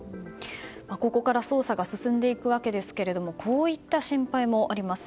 ここから捜査が進んでいくわけですがこういった心配もあります。